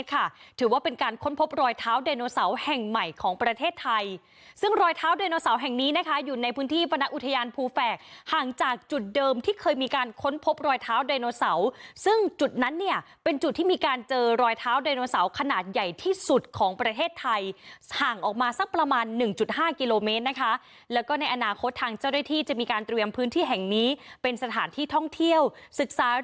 ซึ่งรอยเท้าไดโนเสาร์แห่งนี้นะคะอยู่ในพื้นที่วรรณอุทยานภูแฝกห่างจากจุดเดิมที่เคยมีการค้นพบรอยเท้าไดโนเสาร์ซึ่งจุดนั้นเนี่ยเป็นจุดที่มีการเจอรอยเท้าไดโนเสาร์ขนาดใหญ่ที่สุดของประเทศไทยห่างออกมาสักประมาณ๑๕กิโลเมตรนะคะแล้วก็ในอนาคตทางเจ้าได้ที่จะมีการเตรียมพื้นที่แห่งนี้เป็นส